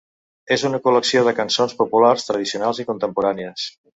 És una col·lecció de cançons populars tradicionals i contemporànies.